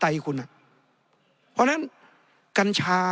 ในทางปฏิบัติมันไม่ได้